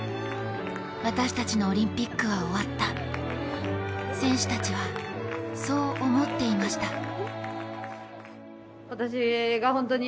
私たちのオリンピックは終わった選手たちは、そう思っていました。